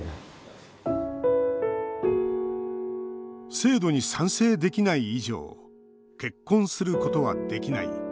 制度に賛成できない以上結婚することはできない。